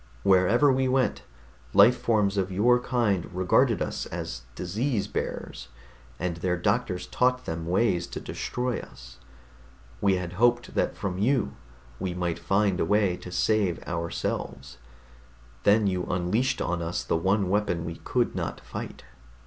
Wherever we went, life forms of your kind regarded us as disease bearers, and their doctors taught them ways to destroy us. We had hoped that from you we might find a way to save ourselves then you unleashed on us the one weapon we could not fight."